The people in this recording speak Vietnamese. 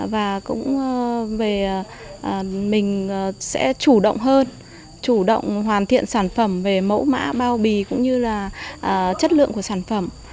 và cũng về mình sẽ chủ động hơn chủ động hoàn thiện sản phẩm về mẫu mã bao bì cũng như là chất lượng của sản phẩm